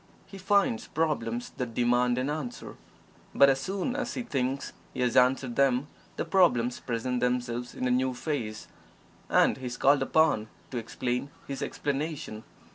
He finds problems that demand an answer, but as soon as he thinks he has answered them the problems present themselves in a new phase, and he is called upon to "explain his explanation."